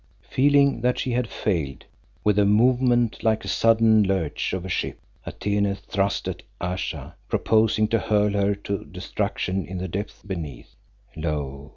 Feeling that she had failed, with a movement like the sudden lurch of a ship, Atene thrust at Ayesha, proposing to hurl her to destruction in the depths beneath. Lo!